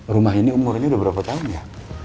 rumah ini umurnya udah berapa tahun ya